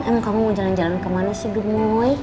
emang kamu mau jalan jalan kemana sih demoi